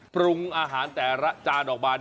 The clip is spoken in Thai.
ปรุงอาหารแต่ละจานออกมา